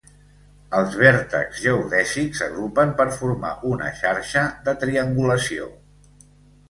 Els vèrtexs geodèsics s'agrupen per formar una xarxa de triangulació.